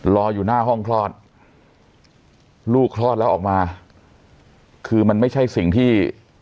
รออยู่หน้าห้องคลอดลูกคลอดแล้วออกมาคือมันไม่ใช่สิ่งที่